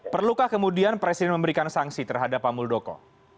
perlukah kemudian presiden memberikan sanksi terhadap pak muldoko